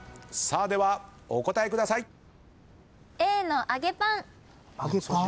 さあではお答えください。